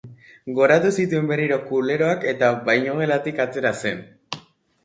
Goratu zituen berriro kuleroak eta bainugelatik atera zen.